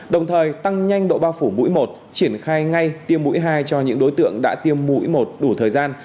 đồng thời tăng nhanh độ bao phủ mũi một triển khai ngay tiêm mũi hai cho những đối tượng đã tiêm mũi một đủ thời gian